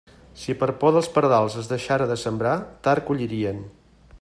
Si per por dels pardals es deixara de sembrar, tard collirien.